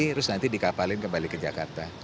terus nanti dikapalin kembali ke jakarta